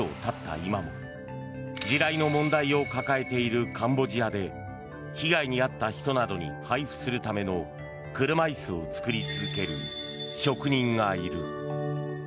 今も地雷の問題を抱えているカンボジアで被害に遭った人などに配布するための車椅子を作り続ける職人がいる。